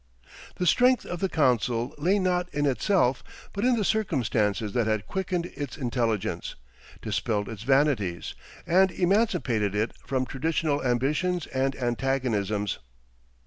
The strength of the council lay not in itself but in the circumstances that had quickened its intelligence, dispelled its vanities, and emancipated it from traditional ambitions and antagonisms.